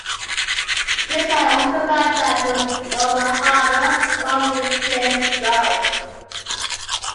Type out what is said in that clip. This line also ran down to Dover Harbour along a cliff road.